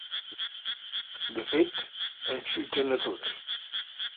De fet, ens jutgen a tots.